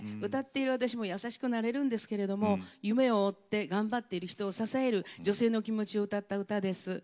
歌っている私も優しくなれるんですけども夢を追って頑張ってる人を支える女性の気持ちを歌った歌です。